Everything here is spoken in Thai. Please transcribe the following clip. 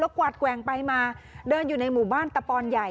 กวาดแกว่งไปมาเดินอยู่ในหมู่บ้านตะปอนใหญ่